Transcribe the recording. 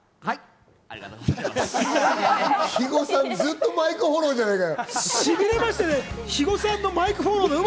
肥後さん、ずっとマイクフォローじゃないですか。